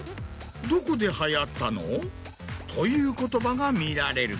どこで流行ったの？という言葉が見られる。